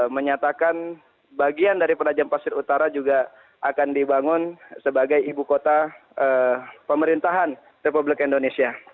menyatakan bagian dari penajam pasir utara juga akan dibangun sebagai ibu kota pemerintahan republik indonesia